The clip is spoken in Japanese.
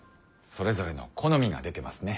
それぞれの好みが出てますね。